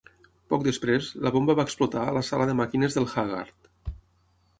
Poc després, la bomba va explotar a la sala de màquines del "Haggard".